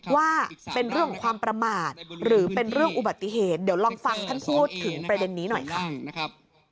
ว่าเป็นเรื่องของความประมาทหรือเป็นเรื่องอุบัติเหตุเดี๋ยวลองฟังท่านพูดถึงประเด็นนี้หน่อยค่ะนะครับ